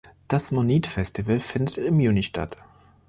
Das Monit-Festival findet im Juni statt.